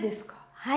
はい。